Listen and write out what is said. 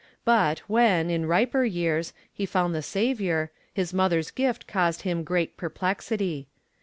But when, in riper years, he found the Saviour, his mother's gift caused him great perplexity.